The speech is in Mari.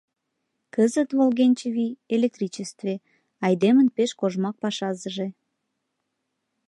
Кызыт волгенче вий — электричестве — айдемын пеш кожмак пашазыже.